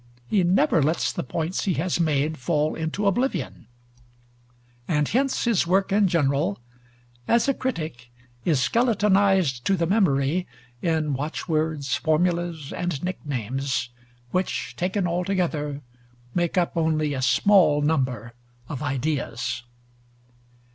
He never lets the points he has made fall into oblivion; and hence his work in general, as a critic, is skeletonized to the memory in watchwords, formulas, and nicknames, which, taken altogether, make up only a small number of ideas.